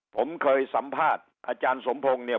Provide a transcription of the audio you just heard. ผมเคยสัมภาษณ์อาจารย์สมพงศ์เนี่ย